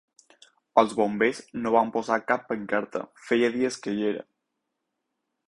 Els bombers no van posar cap pancarta, feia dies que hi era.